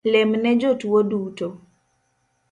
Lemne jotuo duto